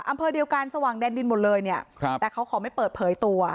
อำเภอเดียวกันสว่างแดนดินหมดเลยเนี่ยครับแต่เขาขอไม่เปิดเผยตัว